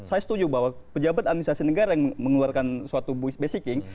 saya setuju bahwa pejabat administrasi negara yang mengeluarkan suatu basiking